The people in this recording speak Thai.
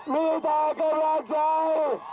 มีทางกับวักใจ